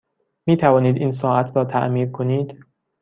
می توانید این ساعت را تعمیر کنید؟